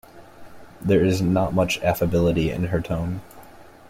There is not much affability in her tone.